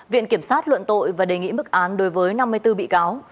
viện kiểm sát luận tội và đề nghị mức án đối với năm mươi bốn bị cáo